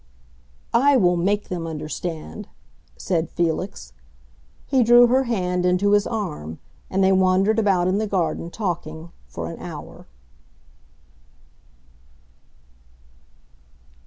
"I will make them understand!" said Felix. He drew her hand into his arm, and they wandered about in the garden, talking, for an hour.